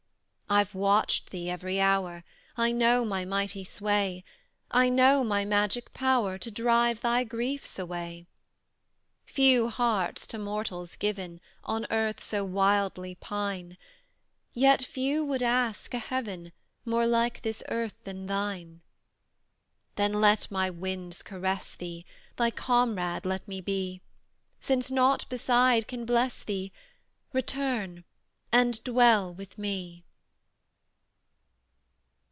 I've watched thee every hour; I know my mighty sway: I know my magic power To drive thy griefs away. Few hearts to mortals given, On earth so wildly pine; Yet few would ask a heaven More like this earth than thine. Then let my winds caress thee Thy comrade let me be: Since nought beside can bless thee, Return and dwell with me.